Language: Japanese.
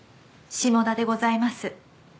下田でございます。